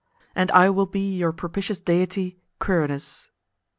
And I will be your propitious deity, Quirinus.""